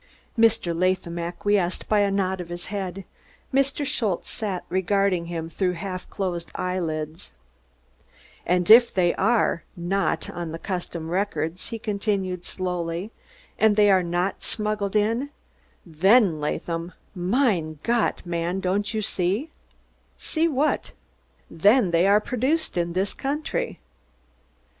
Mr. Latham acquiesced by a nod of his head; Mr. Schultze sat regarding him through half closed eyelids. "Und if dey are nod on der Custom House records," he continued slowly, "und dey are nod smuggled in, den, Laadham, den Mein Gott, man, don'd you see?" "See what?" "Den dey are produced in dis country!"